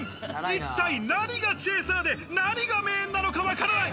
一体何がチェイサーで何がメインなのかわからない。